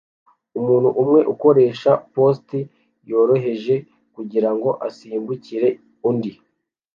Umuntu umwe ukoresha poste yoroheje kugirango asimbukire undi